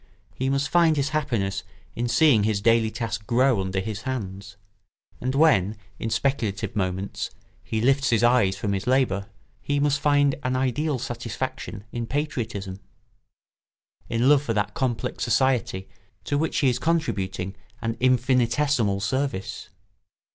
He must find his happiness in seeing his daily task grow under his hands; and when, in speculative moments, he lifts his eyes from his labour, he must find an ideal satisfaction in patriotism, in love for that complex society to which he is contributing an infinitesimal service.